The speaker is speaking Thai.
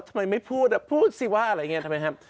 ทำไมไม่พูดพูดสิว่าอะไรอย่างนี้ทำไมครับ